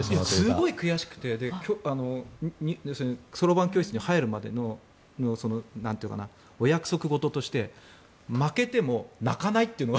すごい悔しくてそろばん教室に入るまでのお約束事として負けても泣かないというのが。